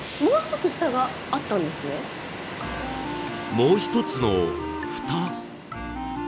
もう一つの蓋？